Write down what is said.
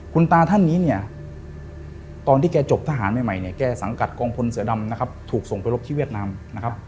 คุณตาท่านนี้เนี่ยตอนที่แกจบทหารใหม่เนี่ยแกสังกัดกองพลเสือดำนะครับถูกส่งไปรบที่เวียดนามนะครับ